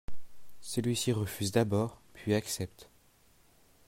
Celui-ci refuse d'abord puis accepte.